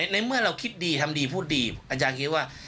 ในเมื่อเราคิดดีทำดีพูดดีอาจารย์คิดว่า